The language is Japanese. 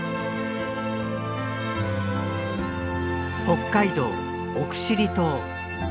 北海道奥尻島。